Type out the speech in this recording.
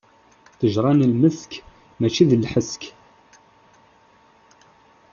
Ṭṭejṛa n lmesk, mačči d lḥesk.